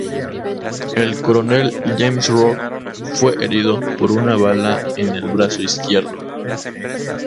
El coronel James Rooke fue herido por una bala en el brazo izquierdo.